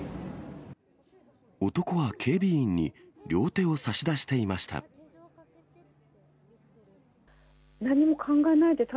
男は警備員に、両手を差し出していました。